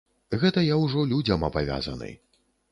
Гэта я ўжо людзям абавязаны.